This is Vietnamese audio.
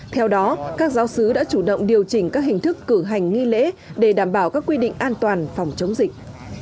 theo đó các giáo sứ đã chủ động điều chỉnh các hình thức cử hành nghi lễ để đảm bảo các quy định an toàn phòng chống dịch